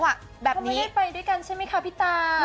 ทำไมได้ไปด้วยกันใช่มั้ยคะพี่ตา